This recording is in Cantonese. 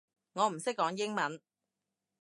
我唔識講英文